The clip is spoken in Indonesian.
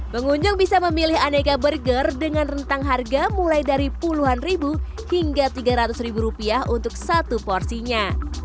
pengunjung bisa memilih aneka burger dengan rentang harga mulai dari puluhan ribu hingga tiga ratus ribu rupiah untuk satu porsinya